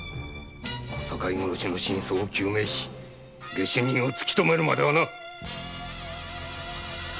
小堺殺しの真相を糾明し下手人を突きとめるまではな！